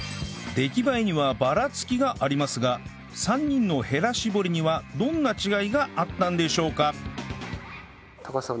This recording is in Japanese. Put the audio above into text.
出来栄えにはバラつきがありますが３人のへら絞りにはどんな違いがあったんでしょうか？